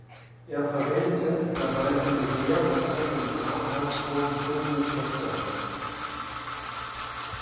Er verwendete dabei sein Gewehr und eine im Farmhaus vorgefundene Shotgun.